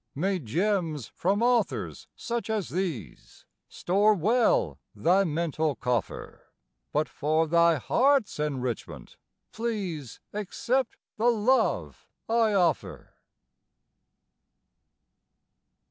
May gems from authors such as these Store well thy mental coffer, But for thy heart's enrichment please Accept the love I offer.